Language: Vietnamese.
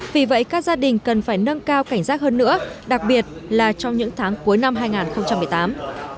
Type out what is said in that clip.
vì vậy các gia đình cần phải nâng cao cảnh giác hơn nữa đặc biệt là trong những tháng cuối năm hai nghìn một mươi tám